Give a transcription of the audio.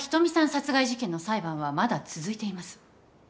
殺害事件の裁判はまだ続いています。